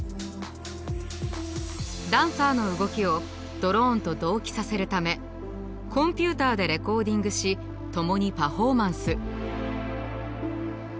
ダンサーの動きをドローンと同期させるためコンピューターでレコーディングし共にパフォーマンス。